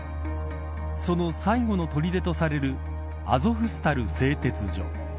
その最後のとりでとされるアゾフスタル製鉄所。